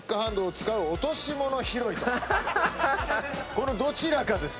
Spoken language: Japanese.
このどちらかです。